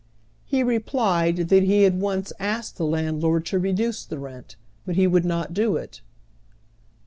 He replied that he had once asked the landlord to rednee the rent, but he would not do it.